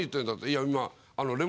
「いや今」。